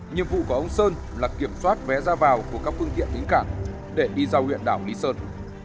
nhiệm vụ của ông sơn là kiểm soát vé ra vào của các phương tiện đến cảng để đi ra huyện đảo lý sơn